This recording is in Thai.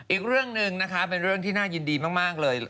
อีกเรื่องหนึ่งที่น่ายินดีมากเลย